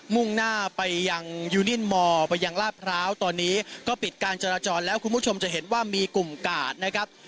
มุ่งหน้าไปยังยูนินมอร์ไปยังลาดพร้าวตอนนี้ก็ปิดการจราจรแล้วคุณผู้ชมจะเห็นว่ามีกลุ่มกาดนะครับ